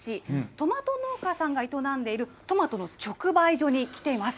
トマト農家さんが営んでいるトマトの直売所に来ています。